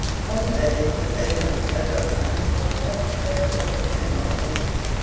One lady could say nothing better of 'Mansfield Park,' than that it was 'a mere novel.'